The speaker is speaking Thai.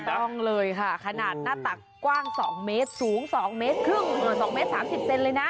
ต้องเลยค่ะขนาดหน้าตักกว้าง๒เมตรสูง๒เมตรครึ่ง๒เมตร๓๐เซนเลยนะ